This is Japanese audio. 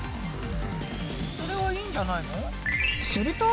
それはいいんじゃないの？